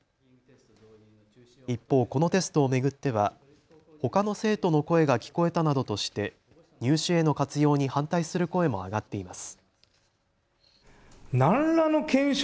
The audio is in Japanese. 一方、このテストを巡ってはほかの生徒の声が聞こえたなどとして入試への活用に反対する声も上がっています。